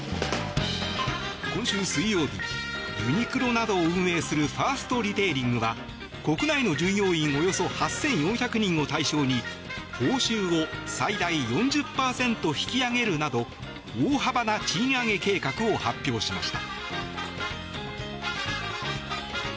今週水曜日ユニクロなどを運営するファーストリテイリングは国内の従業員およそ８４００人を対象に報酬を最大４０％引き上げるなど大幅な賃上げ計画を発表しました。